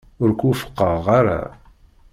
Ur k-wufqeɣ ara.